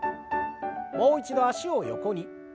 もう一度脚を横に。